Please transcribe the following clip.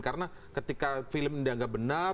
karena ketika film ini tidak benar